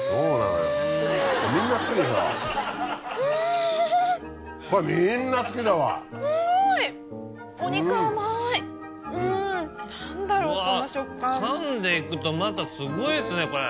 かんでいくとまたすごいですねこれ。